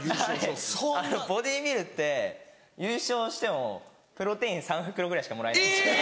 ボディビルって優勝してもプロテイン３袋ぐらいしかもらえないんです。